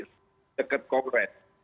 jangan terlalu dekat kongres